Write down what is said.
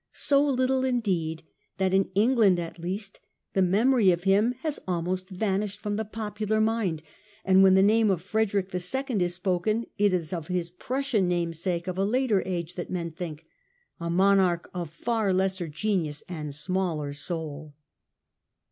So little indeed that, in Eng land at least, the memory of him has almost vanished from the popular mind : and when the name of Frederick the Second is spoken, it is of his Prussian namesake of a later age that men think, a monarch of far lesser genius and smaller soul.